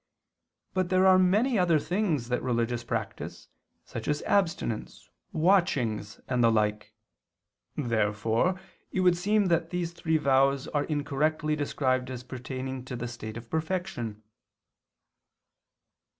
But there are many other things that religious practice, such as abstinence, watchings, and the like. Therefore it would seem that these three vows are incorrectly described as pertaining to the state of perfection.